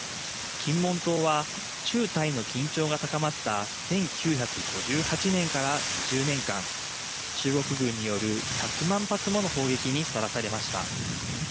金門島は中台の緊張が高まった１９５８年から２０年間中国軍による１００万発もの砲撃にさらされました。